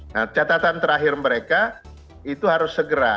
nah catatan terakhir mereka itu harus segera